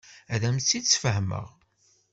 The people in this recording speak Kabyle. Ad am-tt-id-sfehmeɣ.